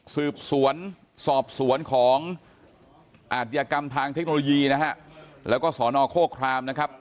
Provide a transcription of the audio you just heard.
สืบสวนสอบสวนของอาชญากรรมทางเทคโนโลยีนะฮะแล้วก็สอนอโคครามนะครับ